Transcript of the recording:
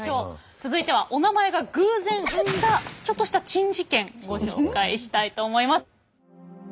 続いてはおなまえが偶然生んだちょっとした珍事件ご紹介したいと思います。